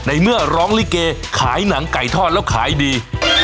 เมื่อร้องลิเกขายหนังไก่ทอดแล้วขายดี